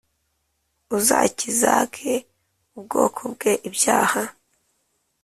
Uzakizac ubwoko bwe ibyaha